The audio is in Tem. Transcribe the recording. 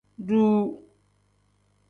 Duuu.